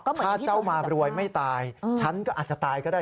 ถ้าเจ้ามารวยไม่ตายฉันก็อาจจะตายก็ได้